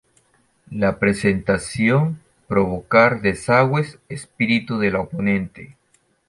La presentación Provocar desagües espíritu de la oponente.